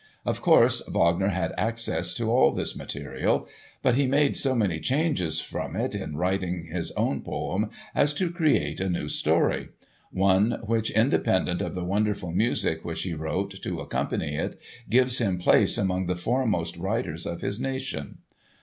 Of course Wagner had access to all this material. But he made so many changes from it in writing his own poem as to create a new story—one which, independent of the wonderful music which he wrote to accompany it, gives him place among the foremost writers of his nation.